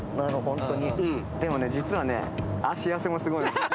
でも実はね足汗もすごい。